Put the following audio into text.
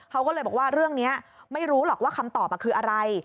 เขาก็เลยบอกว่าเรื่องนี้ไม่รู้หรอกว่าคำตอบคืออะไร